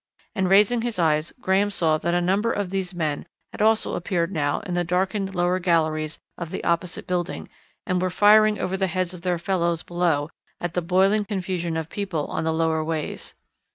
And raising his eyes Graham saw that a number of these men had also appeared now in the darkened lower galleries of the opposite building, and were firing over the heads of their fellows below at the boiling confusion of people on the lower ways.